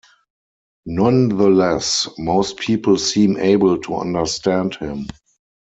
Nonetheless, most people seem able to understand him.